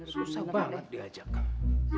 susah banget diajakan